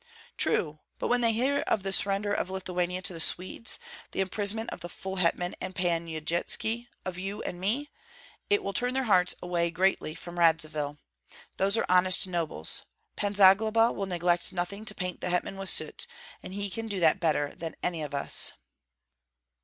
"True; but when they hear of the surrender of Lithuania to the Swedes, the imprisonment of the full hetman and Pan Yudytski, of you and me, it will turn their hearts away greatly from Radzivill. Those are honest nobles; Pan Zagloba will neglect nothing to paint the hetman with soot, and he can do that better than any of us."